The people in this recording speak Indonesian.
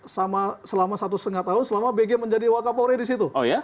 selama satu setengah tahun selama bg menjadi wakapori di situ